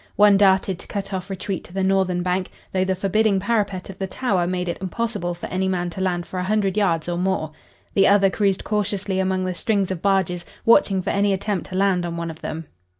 One darted to cut off retreat to the northern bank, though the forbidding parapet of the Tower made it impossible for any man to land for a hundred yards or more. The other cruised cautiously among the strings of barges, watching for any attempt to land on one of them.